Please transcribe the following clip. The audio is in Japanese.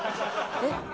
えっ？